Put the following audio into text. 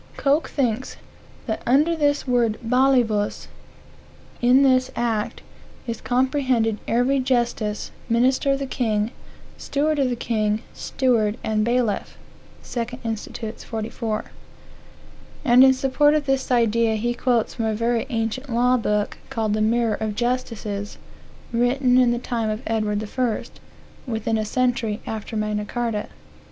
Coke thinks "that under this word balivus, in this act, is comprehended every justice, minister of the king, steward of the king, steward and bailiff." (2 Inst. 44.) And in support of this idea he quotes from a very ancient law book, called the Mirror of Justices, written in the time of Edward I., within a century after Magna Carta.